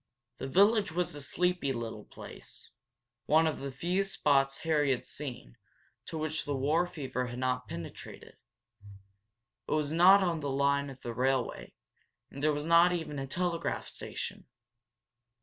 The village was a sleepy little place, one of the few spots Harry had seen to which the war fever had not penetrated. It was not on the line of the railway, and there was not even a telegraph station.